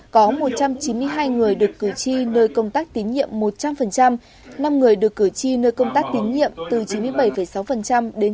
có một trăm chín mươi hai người được cử tri nơi công tác tín nhiệm một trăm linh năm người được cử tri nơi công tác tín nhiệm từ chín mươi bảy sáu đến chín mươi